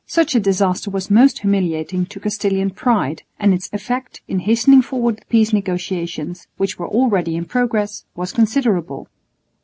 Such a disaster was most humiliating to Castilian pride, and its effect in hastening forward the peace negotiations, which were already in progress, was considerable.